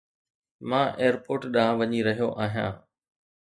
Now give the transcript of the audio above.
مان ايئرپورٽ ڏانهن وڃي رهيو آهيان